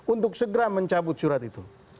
untuk segera mencabut surat itu